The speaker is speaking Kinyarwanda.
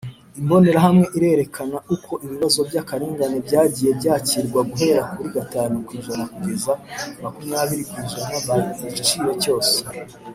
Imbonerahamwe irerekana uko ibibazo by akarengane byagiye byakirwa guhera kuri gatanu kwijana kugeza makumyabiri ku ijana by igiciro cyose